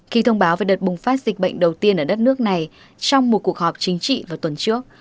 khi thông báo về đợt bùng phát dịch bệnh đầu tiên ở đất nước này trong một cuộc họp chính trị vào tuần trước